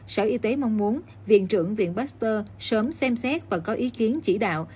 sở y tế mong muốn viện trưởng viện baxper sớm xem xét và có ý kiến chỉ đạo